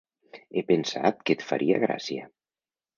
He pensat que et faria gràcia.